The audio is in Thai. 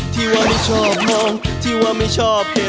สวัสดีครับ